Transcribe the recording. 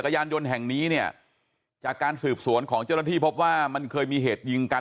ยานยนต์แห่งนี้เนี่ยจากการสืบสวนของเจ้าหน้าที่พบว่ามันเคยมีเหตุยิงกัน